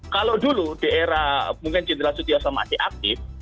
kalau dulu di era mungkin jindral jidil soekarno masih aktif